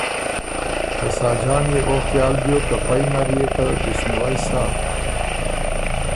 ته ساجان يې او خیال بیوک که پئ نر يې که دِست نیوئ سۀ